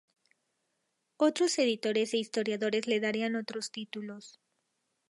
Otros editores e historiadores le darían otros títulos.